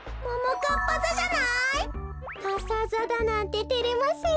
かさざだなんててれますよ。